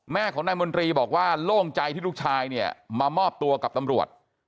แม่ของนายมนตรีบอกว่าโล่งใจที่ลูกชายเนี่ยมามอบตัวกับตำรวจ